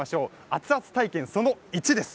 熱々体験、その１です。